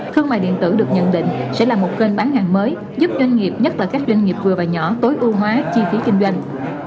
thương mại điện tử được nhận định sẽ là một kênh bán hàng mới giúp doanh nghiệp nhất là các doanh nghiệp vừa và nhỏ tối ưu hóa chi phí kinh doanh